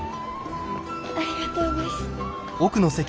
ありがとうごいす。